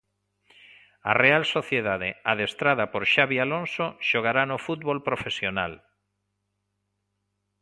A Real Sociedade, adestrada por Xabi Alonso, xogará no fútbol profesional.